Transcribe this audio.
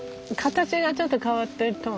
形がちょっと変わってる。